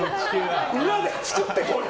裏で作ってこい！